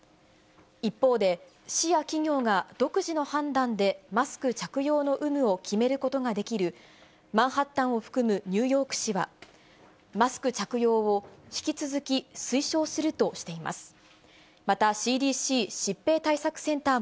一方で、市や企業が独自の判断でマスク着用の有無を決めることができる、マンハッタンを含むニューヨーク市は、マスク着用を引き続き推奨するとしています。